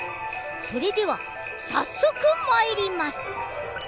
それでは早速まいります。